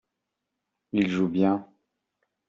Il joue bien.